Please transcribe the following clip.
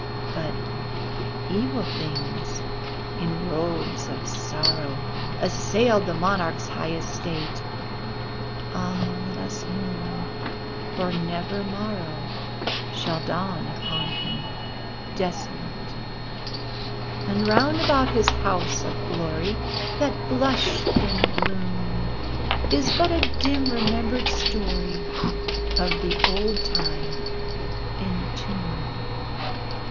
But evil things, in robes of sorrow, Assailed the monarch's high estate. (Ah, let us mourn! for never morrow Shall dawn upon him desolate !) And round about his home the glory That blushed and bloomed, Is but a dim remembered story Of the old time entombed.